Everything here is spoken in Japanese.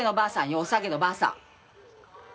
「おさげのばあさん」。